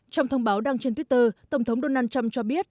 trong thông báo đăng trên twitter tổng thống donald trump cho biết